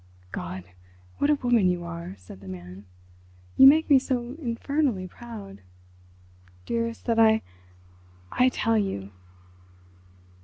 "God! What a woman you are," said the man. "You make me so infernally proud—dearest, that I... I tell you!"